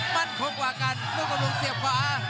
มั่นคงกว่ากันลูกบำรุงเสียบขวา